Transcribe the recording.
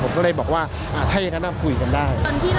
ผมก็เลยบอกว่าถ้ั้ยยังคะน่าพูดกันได้